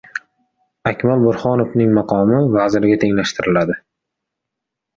Akmal Burxonovning maqomi vazirga tenglashtiriladi